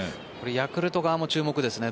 ヤクルト側も注目ですね。